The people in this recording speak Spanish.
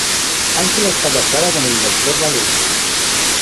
Angela está casada con el doctor Valerio.